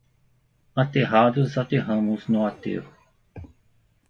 Aterrados aterramos no aterro.